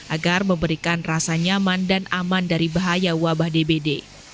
agar memberikan rasa nyaman dan aman dari bahaya wabah dbd